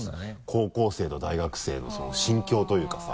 高校生と大学生の心境というかさ。